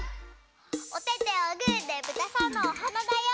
おててをグーでぶたさんのおはなだよ。